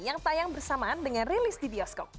yang tayang bersamaan dengan rilis di bioskop